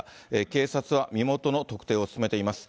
警察は身元の特定を進めています。